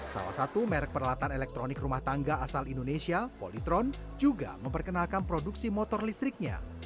salah satu merek peralatan elektronik rumah tangga asal indonesia polytron juga memperkenalkan produksi motor listriknya